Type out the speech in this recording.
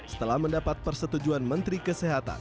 setelah mendapat persetujuan menteri kesehatan